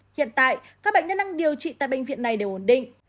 hiện tại các bệnh nhân đang điều trị tại bệnh viện này đều ổn định